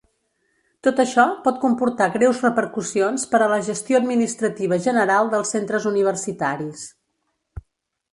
Tot això pot comportar greus repercussions per a la gestió administrativa general dels centres universitaris.